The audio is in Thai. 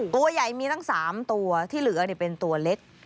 ตัวใหญ่มีตั้ง๓ตัวที่เหลือเป็นตัวเล็ก